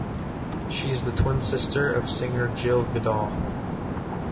She is the twin sister of singer Jill Vidal.